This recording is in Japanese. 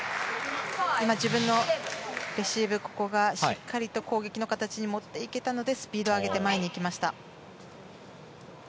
今、自分のレシーブここがしっかりと攻撃の形に持っていけたのでスピードを上げて前にいきました。